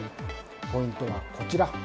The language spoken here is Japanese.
ポイントはこちら。